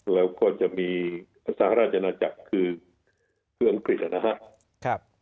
แล้วก็จะมีสหราชนาจักรคือเครื่องกฤษนะฮะ